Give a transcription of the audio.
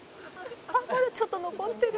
「まだちょっと残ってる」